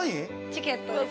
チケットです